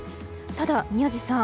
ただ、宮司さん。